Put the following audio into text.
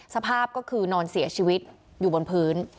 สภาพก็คือนอนเสียชีวิตอยู่บนพื้น